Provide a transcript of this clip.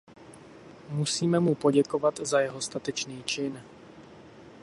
Musíme mu poděkovat za jeho statečný čin.